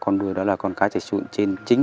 con người đó là con cá chạy trụ trên chính